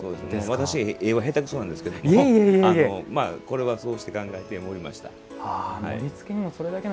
私絵は下手くそなんですけどこれは、そうして考えて思いました。